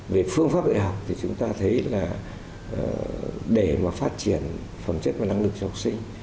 về phương pháp dạy học thì chúng ta thấy là để mà phát triển phẩm chất và năng lực cho học sinh